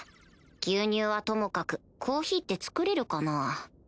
牛乳はともかくコーヒーって作れるかな？